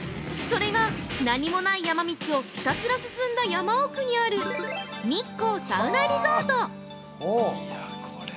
◆それが、何も狭い山道をひたすら進んだ山奥にある「日光サウナリゾート」。